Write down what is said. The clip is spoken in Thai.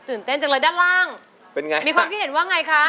ตื่นเต้นจังเลยด้านล่างมีความคิดเห็นว่าไงคะ